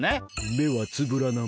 めはつぶらなめ。